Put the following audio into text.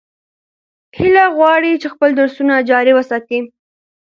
هیله غواړي چې خپل درسونه جاري وساتي.